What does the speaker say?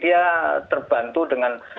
dia terbantu dengan